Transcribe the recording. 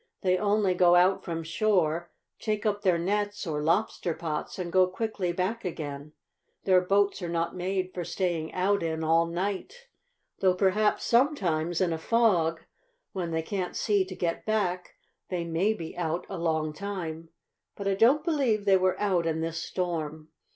"They only go out from shore, take up their nets or lobster pots, and go quickly back again. Their boats are not made for staying out in all night. Though perhaps sometimes, in a fog, when they can't see to get back, they may be out a long time. But I don't believe they were out in this storm."